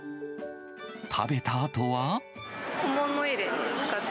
食べたあとは。